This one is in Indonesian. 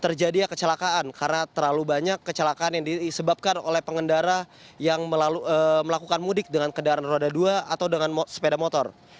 terjadi kecelakaan karena terlalu banyak kecelakaan yang disebabkan oleh pengendara yang melakukan mudik dengan kendaraan roda dua atau dengan sepeda motor